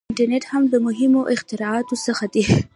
• انټرنېټ هم د مهمو اختراعاتو څخه دی.